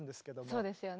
そうですよね。